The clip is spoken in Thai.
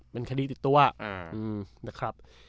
เป็นคดีติดตัวนะครับ